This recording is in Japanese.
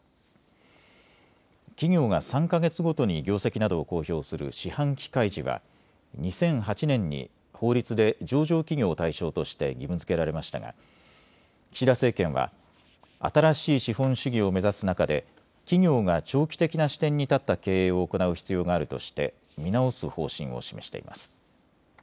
企業が３か月ごとに業績などを公表する四半期開示は２００８年に法律で上場企業を対象として義務づけられましたが岸田政権は、新しい資本主義を目指す中で企業が長期的な視点に立った経営を行う必要があるとして見直す方針を示しています。